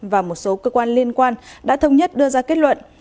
và một số cơ quan liên quan đã thông nhất đưa ra kết luận